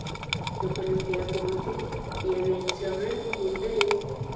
د کولمبیا پوهنتون یوې څېړنې موندلې،